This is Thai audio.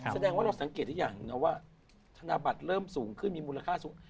แสดงว่าเราสังเกตได้อย่างหนึ่งนะว่าธนบัตรเริ่มสูงขึ้นมีมูลค่าสูง